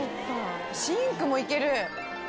シンクもいける？